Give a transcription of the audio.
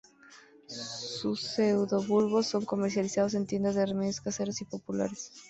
Sus pseudobulbos son comercializados en tiendas de remedios caseros y populares.